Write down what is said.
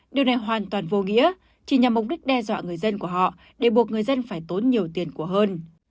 điều này hoàn toàn vô nghĩa chỉ nhằm mục đích đe dọa người dân của họ để buộc người dân phải tốn nhiều tiền của hơn